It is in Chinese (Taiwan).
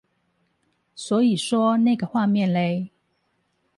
所以說那個畫面勒？